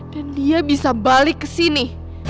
dan dia bisa balik ke sini